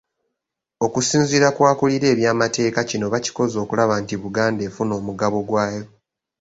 Okusinziira ku akulira ebyamateeka kino bakikoze okulaba nti Buganda efuna omugabo gw'ayo.